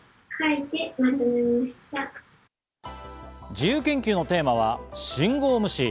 自由研究のテーマは「信号無視」。